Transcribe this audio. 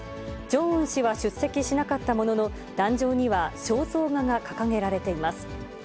ジョンウン氏は出席しなかったものの、壇上には肖像画が掲げられています。